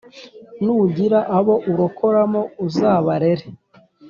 Nugira abo urokoramo uzabarere